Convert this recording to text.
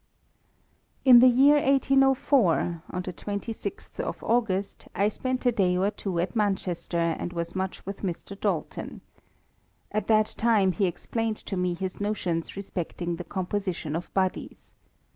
In the year 1 804, on the 26th of August, I spent a day or two at Manchester, and was much with Mr. Dalton. At that time he explained to me his notions respecting the composition of bodies.